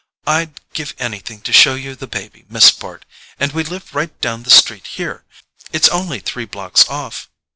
I'd give anything to show you the baby, Miss Bart, and we live right down the street here—it's only three blocks off."